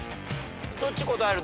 どっち答える？